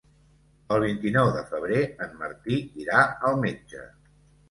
El vint-i-nou de febrer en Martí irà al metge.